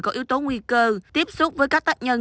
có yếu tố nguy cơ tiếp xúc với các tác nhân